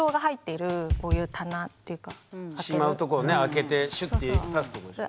しまうとこね開けてシュって差すとこでしょ。